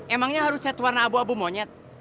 emangnya harus set warna abu abu monyet